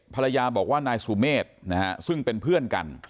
ภรรยาบอกว่านายสุเมฆนะฮะซึ่งเป็นเพื่อนกัน